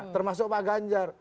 termasuk pak ganjar